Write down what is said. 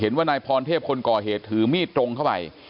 นายพรเทพคนก่อเหตุถือมีดตรงเข้าไป